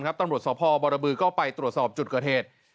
ตำรวจศพบรบลก็ไปตรวจสอบจุดกระเทศ